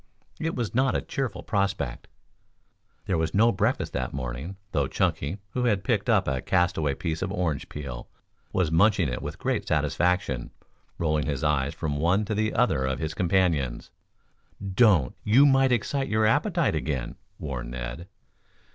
It was not a cheerful prospect. There was no breakfast that morning, though Chunky, who had picked up a cast away piece of orange peel, was munching it with great satisfaction, rolling his eyes from one to the other of his companions. "Don't. You might excite your appetite again," warned Ned.